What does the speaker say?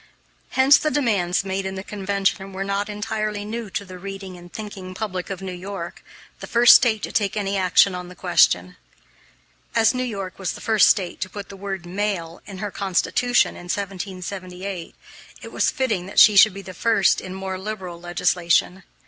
Hence the demands made in the convention were not entirely new to the reading and thinking public of New York the first State to take any action on the question. As New York was the first State to put the word "male" in her constitution in 1778, it was fitting that she should be first in more liberal legislation.